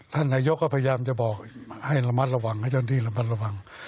ท่านนายกก็พยายามจะบอกให้ระมัดระวังให้เจ้าหน้าที่ระมัดระวัง